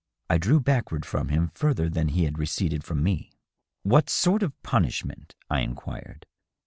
I drew back ward from him further than he had receded from me. " What sort of punishment?" I inquired.